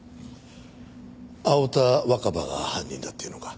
青田若葉が犯人だっていうのか？